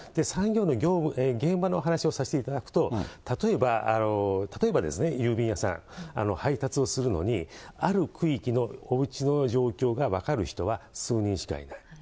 産業医の現場の話をさせていただくと、例えば、例えばですね、郵便屋さん、配達をするのに、ある区域のおうちの状況が分かる人は数人しかいない。